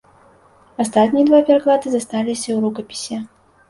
Астатнія два пераклады засталіся ў рукапісе.